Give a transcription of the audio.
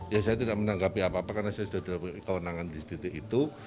ya saya tidak menanggapi apa apa karena saya sudah dapat kewenangan di sedetik itu